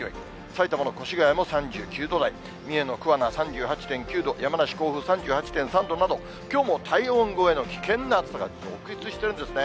埼玉の越谷も３９度台、三重の桑名、３８．９度、山梨・甲府３８．３度など、きょうも体温超えの危険な暑さが続出しているんですね。